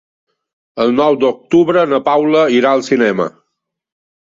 El nou d'octubre na Paula irà al cinema.